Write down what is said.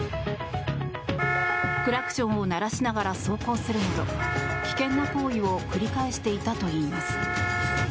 クラクションを鳴らしながら走行するなど危険な行為を繰り返していたといいます。